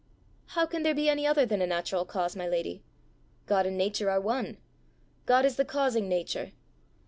"How can there be any other than a natural cause, my lady? God and Nature are one. God is the causing Nature.